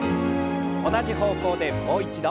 同じ方向でもう一度。